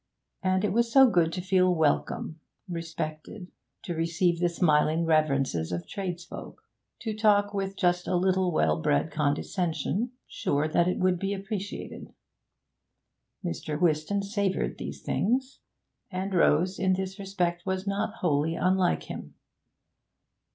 And it was so good to feel welcome, respected; to receive the smiling reverences of tradesfolk; to talk with just a little well bred condescension, sure that it would be appreciated. Mr. Whiston savoured these things, and Rose in this respect was not wholly unlike him.